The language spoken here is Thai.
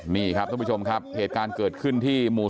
นี่ครับท่านผู้ชมครับเหตุการณ์เกิดขึ้นที่หมู่๑